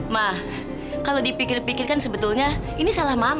mah kalau dipikir pikirkan sebetulnya ini salah mama